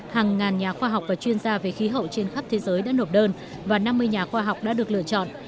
hàng ngàn nhà khoa học và chuyên gia về khí hậu trên khắp thế giới đã nộp đơn và năm mươi nhà khoa học đã được lựa chọn